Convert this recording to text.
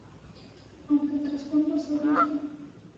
Aunque el trasfondo sea triste.